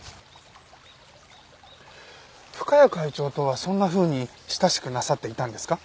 深谷会長とはそんなふうに親しくなさっていたんですか？